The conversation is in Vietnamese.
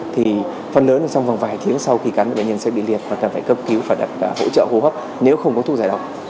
thì phần lớn trong vòng vài tiếng sau khi cắn bệnh nhân sẽ bị liệt và cần phải cấp cứu và đặt hỗ trợ hô hấp nếu không có thuốc giải độc